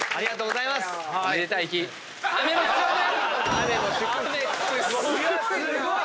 雨すごい。